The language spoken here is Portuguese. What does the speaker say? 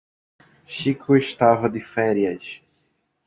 Chico estava de férias.